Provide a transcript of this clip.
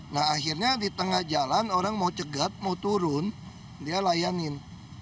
nah akhirnya di tengah jalan orang mau cegat mau turun dia layanin